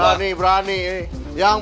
berani berani yang